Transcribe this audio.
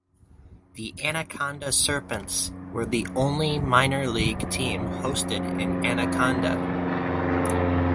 The Anaconda Serpents were the only minor league team hosted in Anaconda.